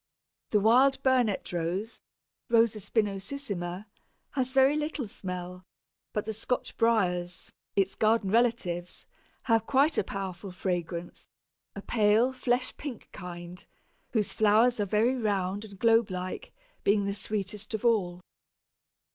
The wild Burnet rose (R. spinosissima) has very little smell; but the Scotch Briars, its garden relatives, have quite a powerful fragrance, a pale flesh pink kind, whose flowers are very round and globe like, being the sweetest of all.